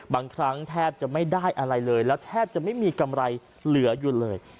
บางครั้งแทบจะไม่ได้อะไรเลยแล้วแทบจะไม่มีกำไรเหลืออยู่เลย